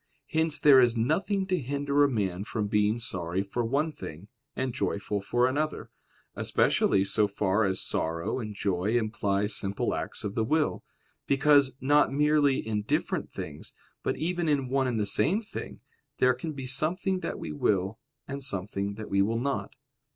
Hence there is nothing to hinder a man from being sorry for one thing, and joyful for another; especially so far as sorrow and joy imply simple acts of the will; because, not merely in different things, but even in one and the same thing, there can be something that we will, and something that we will not.